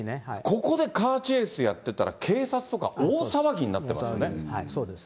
ここでカーチェイスやってたら、警察とか大騒ぎになってますそうです。